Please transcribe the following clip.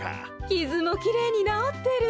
きずもきれいになおってる。